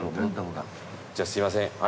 じゃあすいません。